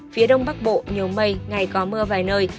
phía đông bắc bộ nhiều mây ngày có mưa vài nơi